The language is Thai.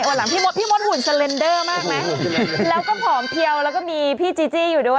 หลังพี่มดพี่มดหุ่นสเลนเดอร์มากนะแล้วก็ผอมเพียวแล้วก็มีพี่จีจี้อยู่ด้วย